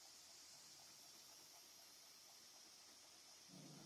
Je nutno používat výhradně jednostranné napájení trakčního vedení.